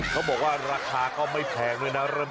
จะกรอบพ่อพริกเกลือไหมนะโหเป็นไปแล้วน่ากินมากเลย